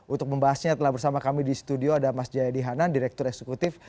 untuk membahasnya telah bersama kami di studio ada mas jayadi hanan direktur eksekutif